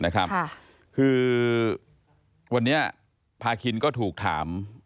คือวันนี้พาคินก็ถูกถาม